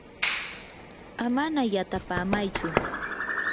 amana yatapamaychu.